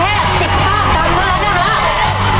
อีก๕กรัมแล้วนะครับ